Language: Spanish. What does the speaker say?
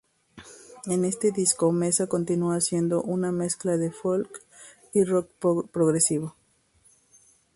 En este disco Meza continúa haciendo una mezcla de folk y rock progresivo.